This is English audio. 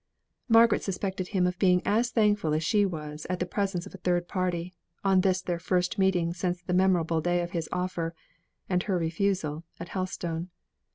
Margaret suspected him of being as thankful as she was at the presence of a third party, on this their first meeting since the memorable day of his offer, and her refusal at Helstone.